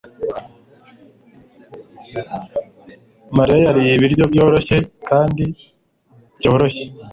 mariya yariye ibiryo byoroshye kandi byoroshye